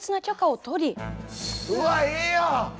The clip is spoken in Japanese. うわっええやん！